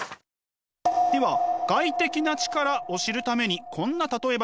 では外的な力を知るためにこんな例え話。